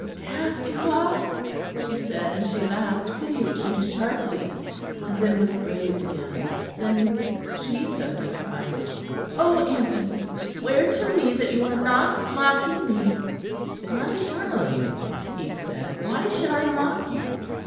"Cast you off?" she said; and she laughed piteously and sharply; and then was grave again. Then she suddenly cried, "Oh, Anthony, swear to me you are not mocking me." "My darling," he said, "why should I mock you?